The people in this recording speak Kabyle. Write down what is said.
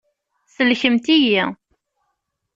Sellkemt-iyi!